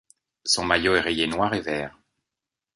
Son maillot est rayé noir et vert.